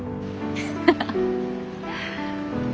ハハハハ！